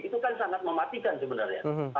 itu kan sangat mematikan sebenarnya